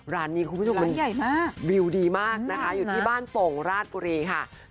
ร้านนี้คุณผู้ชมมันวิวดีมากนะคะอยู่ที่บ้านโป่งราชบุรีค่ะร้านใหญ่มาก